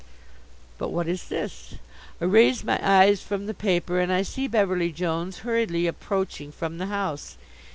But what is this? I raise my eyes from the paper and I see Beverly Jones hurriedly approaching from the house.